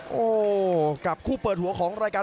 โอ้โหกับคู่เปิดหัวของรายการ